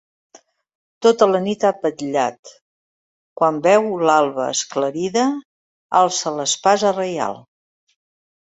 Tota la nit ha vetllat; quan veu l’alba esclarida alça l’espasa reial.